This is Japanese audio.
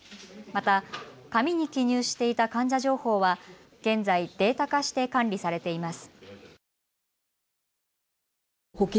また紙に記入していた患者情報は現在、データ化して管理されています。